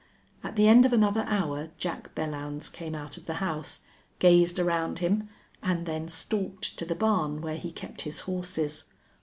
At the end of another hour Jack Belllounds came out of the house, gazed around him, and then stalked to the barn where he kept his horses.